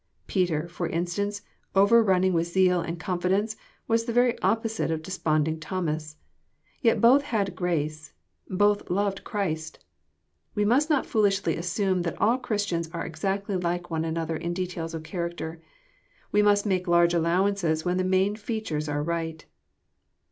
Peter, for instance, overrunning with zeal and confidence, was the very opposite of desponding Thomas. Yet both had grace, and both loved Christ. We must not foolishly assume that all Christians are exactly like one another in de tails of character. We must make large allowances, when the main features are right.